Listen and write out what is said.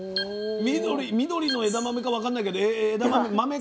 緑の枝豆か分かんないけど枝豆豆系。